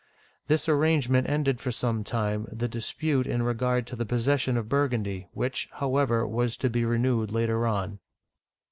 This arrangement ended for some time the dispute in regard to the possession of Burgundy, which, however, was to be renewed later on.